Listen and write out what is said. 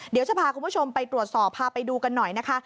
เดี๋ยวจะพาคุณผู้ชมไปตรวจสอบพาไปดูกันหน่อยนะคะ